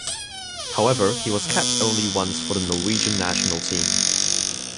However, he was capped only once for the Norwegian national team.